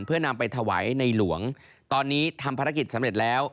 เพื่อนำไปถวายในหลวงตอนนี้ทำภารกิจสำเร็จแล้ว